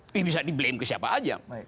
ini bisa di blame ke siapa aja